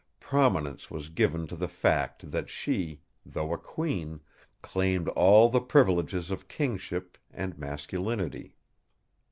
Prominence was given to the fact that she, though a Queen, claimed all the privileges of kingship and masculinity.